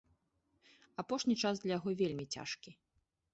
Апошні час для яго вельмі цяжкі.